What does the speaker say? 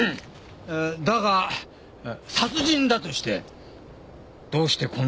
だが殺人だとしてどうしてこんな殺害方法を？